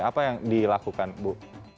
apa yang dilakukan bu